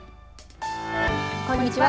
こんにちは。